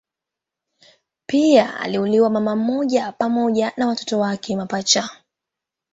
Pia aliuawa mama mmoja pamoja na watoto wake pacha.